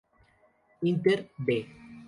Inter "B"